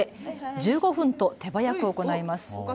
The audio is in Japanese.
１５分と手早く行います。